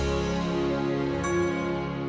ya aku ambil